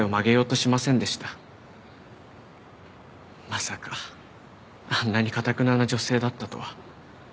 まさかあんなに頑なな女性だったとは。